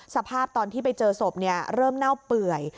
สภาพตอนที่ไปเจอศพเริ่มเน่าเปื่อย